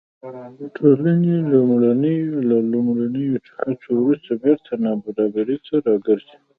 ټولنې له لومړنیو هڅو وروسته بېرته نابرابرۍ ته راګرځي.